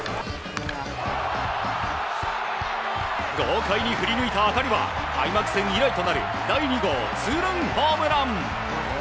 豪快に振り抜いた当たりは開幕戦以来となる第２号ツーランホームラン。